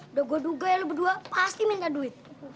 udah gue duga ya lo berdua pasti minta duit